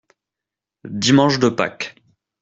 Dimanche de Pâques.